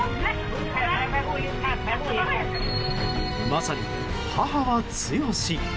まさに母は強し。